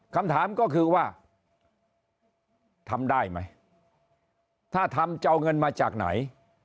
คำถามก็คือว่าทำได้ไหมถ้าทำจะเอาเงินมาจากไหน